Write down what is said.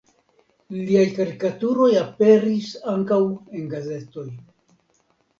Liaj karikaturoj aperis ankaŭ en gazetoj.